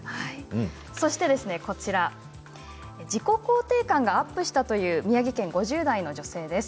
そして自己肯定感がアップしたという宮城県５０代の女性です。